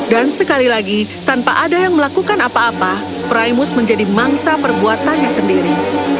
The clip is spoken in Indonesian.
dan sekali lagi tanpa ada yang melakukan apa apa primus menjadi mangsa perbuatannya sendiri